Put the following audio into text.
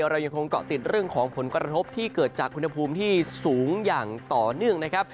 เรายังคงเกาะติดเรื่องของผลกระทบที่เกิดจากอุณหภูมิที่สูงอย่างต่อเนื่องนะครับ